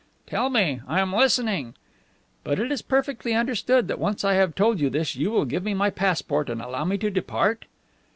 "Tell me. I am listening." "But it is perfectly understood that once I have told you this you will give me my passport and allow me to depart?"